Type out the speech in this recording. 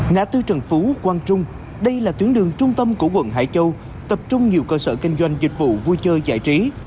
ngã tư trần phú quang trung đây là tuyến đường trung tâm của quận hải châu tập trung nhiều cơ sở kinh doanh dịch vụ vui chơi giải trí